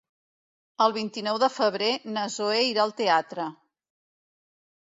El vint-i-nou de febrer na Zoè irà al teatre.